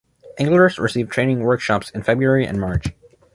Anglers receive training workshops in February and March.